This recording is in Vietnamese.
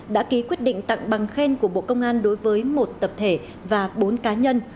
đã ký quyết định tặng bằng khen của bộ công an đối với một tập thể và bốn cá nhân